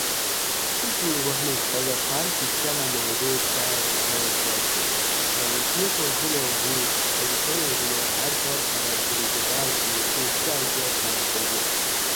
اُچھوُٹ وخ مئ خوازہ خال تھی کالامائ روڑ تاس ناس کاۤ چھورو پرہ ھمسوساں جولاگ ھوں پاکستانیں حکومات ہاۤر کار خراب کروکہ باۤر ڈیٹ تے چاۤ کہ باۤر کمزیر